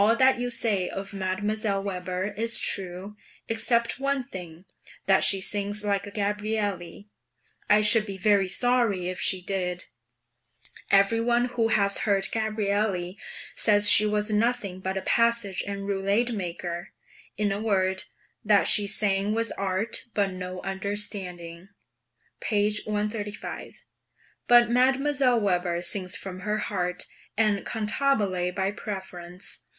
All that you say of Mdlle. Weber is true, except one thing: that she sings like a Gabrielli; I should be very sorry if she did. Every one who has heard Gabrielli says she was nothing but a passage and roulade maker; in a word, that she sang with art, but no understanding (p. 135). But Mdlle. Weber sings from her heart, and cantabile by preference.